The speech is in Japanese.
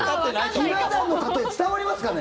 ひな壇の例え伝わりますかね。